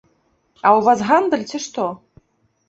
А ў вас гандаль, ці што?